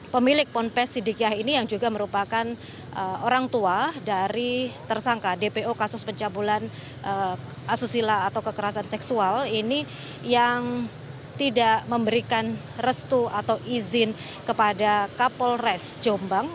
pemilik ponpes sidikiah ini yang juga merupakan orang tua dari tersangka dpo kasus pencabulan asusila atau kekerasan seksual ini yang tidak memberikan restu atau izin kepada kapolres jombang